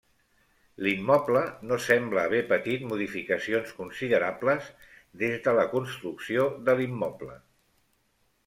L'immoble no sembla haver patit modificacions considerables des de la construcció de l'immoble.